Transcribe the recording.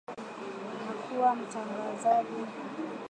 na kuwa matangazo ya saa moja kukiwemo muziki uliorekodiwa